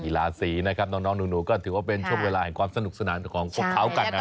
ลาสีนะครับน้องหนูก็ถือว่าเป็นช่วงเวลาแห่งความสนุกสนานของพวกเขากันนะ